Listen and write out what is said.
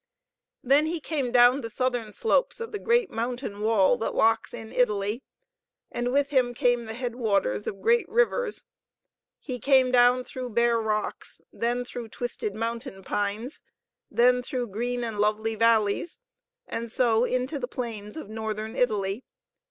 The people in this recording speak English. Then he came down the southern slopes of the great mountain wall that locks in Italy, and with him came the headwaters of great rivers. He came down through bare rocks, then through twisted mountain pines, then through green and lovely valleys, and so into the plains of northern Italy.